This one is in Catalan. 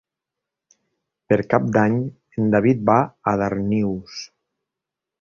Per Cap d'Any en David va a Darnius.